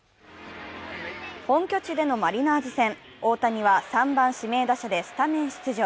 本拠地でのマリナーズ戦、大谷は３番・指名打者でスタメン出場。